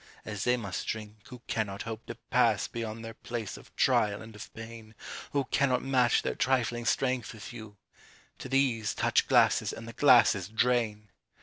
As they must drink, who cannot hope to pass Beyond their place of trial and of pain. Who cannot match their trifling strength with you; To these, touch glasses — ^and the glasses drain